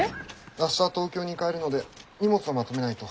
明日東京に帰るので荷物をまとめないと。